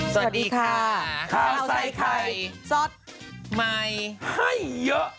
สวัสดีค่ะข้าวใส่ไข่สดใหม่ให้เยอะ